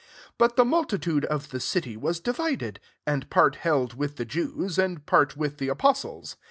4 But the multitude of the city was divid ed : and part held with the Jews, and part with the apostles.